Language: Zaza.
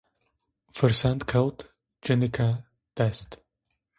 Firsend kewt cinîke dest